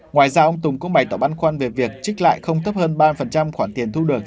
ngoài ra ông tùng cũng bày tỏ băn khoăn về việc trích lại không thấp hơn ba khoản tiền thu được